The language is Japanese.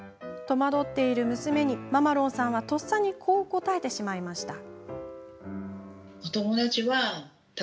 戸惑っている娘にママロンさんはとっさにこう答えてしまいました。